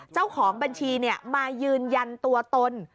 เจ้าของบัญชีมายืนยันตัวตน